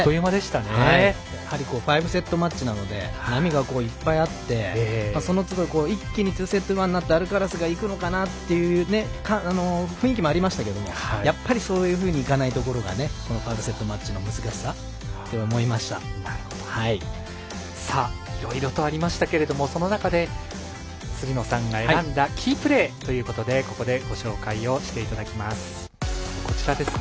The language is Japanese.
やはり５セットマッチなので波がいっぱいあってその都度、一気にツーセットワンになってアルカラスがいくのかなという雰囲気もありましたがそういうふうにいかないところが５セットマッチのいろいろとありましたがその中で、辻野さんが選んだキープレーということでご紹介していただきます。